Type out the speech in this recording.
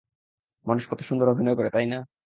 মানুষ কতো সুন্দর অভিনয় করে, তাইনা?